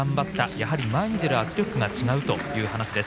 やはり前に出る圧力が違うという話です。